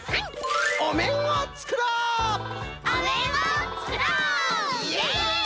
おめんをつくろう！イェイ！